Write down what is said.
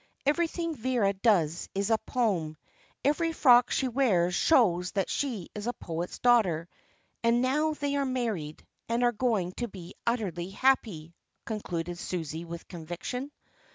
Everything Vera does is a poem. Every frock she wears shows that she is a poet's daughter. And now they are married, and are going to be utterly happy," concluded Susie with conviction.